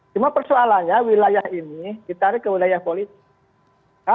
cuma persoalannya wilayah ini ditarik ke wilayah politik